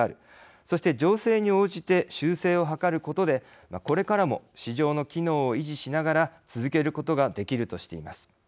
そして情勢に応じて修正を図ることでこれからも市場の機能を維持しながら続けることができるとしています。